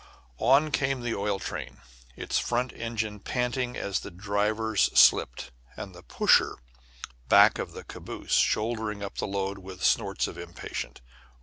On came the oil train, its front engine panting as the drivers slipped, and the "pusher" back of the caboose shouldering up the load with snorts of impatience.